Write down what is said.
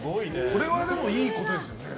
これはでも、いいことですよね。